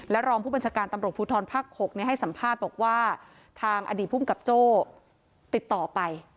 รองผู้บัญชาการตำรวจภูทรภาค๖ให้สัมภาษณ์บอกว่าทางอดีตภูมิกับโจ้ติดต่อไป